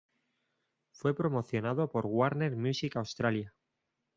Fue promocionado por Warner Music Australia.